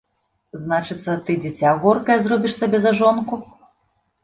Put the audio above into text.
Значыцца, ты дзіця горкае зробіш сабе за жонку.